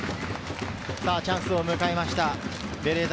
チャンスを迎えました、ベレーザ。